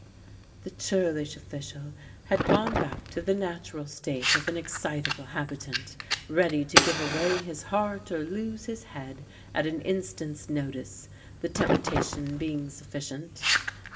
" The churlish official had gone back to the natural state of an excitable habitant, ready to give away his heart or lose his head at an instant's notice, the tempta tion being sufficient.